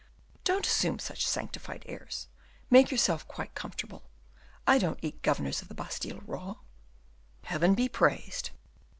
Don't assume such sanctified airs; make yourself quite comfortable; I don't eat governors of the Bastile raw." "Heaven be praised!"